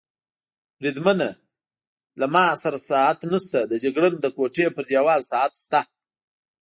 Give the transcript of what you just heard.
بریدمنه، له ما سره ساعت نشته، د جګړن د کوټې پر دېوال ساعت شته.